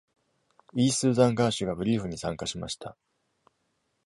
E. スーザンガーシュがブリーフに参加しました。